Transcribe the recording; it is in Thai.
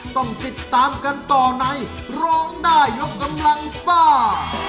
ต้องติดตามกันต่อในร้องได้ยกกำลังซ่า